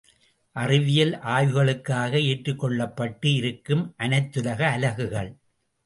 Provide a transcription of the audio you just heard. அறிவியல் ஆய்வுகளுக்காக ஏற்றுக் கொள்ளப்பட்டு இருக்கும் அனைத்துலக அலகுகள்.